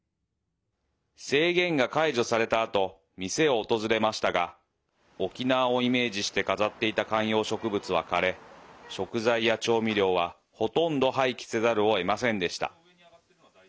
制限が解除されたあと店を訪れましたが沖縄をイメージして飾っていた観葉植物は枯れ食材や調味料は、ほとんど廃棄せざるをえませんでした。